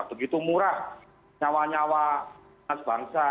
begitu murah nyawa nyawa anak bangsa